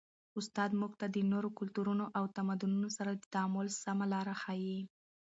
استاد موږ ته د نورو کلتورونو او تمدنونو سره د تعامل سمه لاره ښيي.